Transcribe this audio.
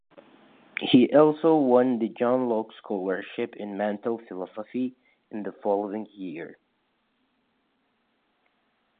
He also won the John Locke Scholarship in Mental Philosophy in the following year.